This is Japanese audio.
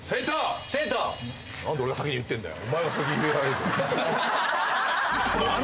何で俺が先に言ってんだよ。